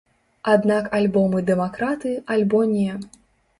Аднак альбо мы дэмакраты, альбо не.